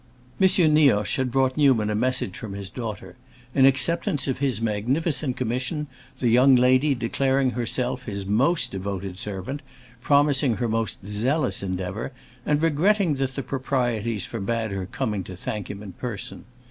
M. Nioche had brought Newman a message from his daughter, in acceptance of his magnificent commission, the young lady declaring herself his most devoted servant, promising her most zealous endeavor, and regretting that the proprieties forbade her coming to thank him in person.